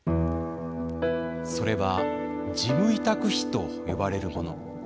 それは事務委託費と呼ばれるもの。